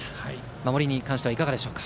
守りに関してはいかがでしょうか。